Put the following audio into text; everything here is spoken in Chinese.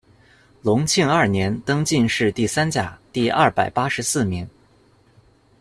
隆庆二年，登进士第三甲第二百八十四名。